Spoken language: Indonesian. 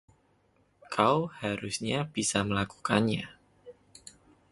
Kau harusnya bisa melakukannya.